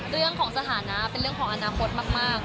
เรื่องของสถานะเป็นเรื่องของอนาคตมาก